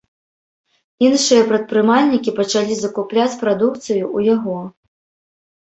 Іншыя прадпрымальнікі пачалі закупляць прадукцыю ў яго.